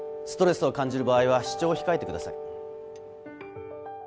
ストレスを感じる場合は視聴を控えてください。